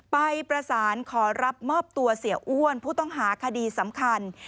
ไปประสานขอรับมอบตัวเสียอ้วนผู้ต้องหาคดีสำคัญ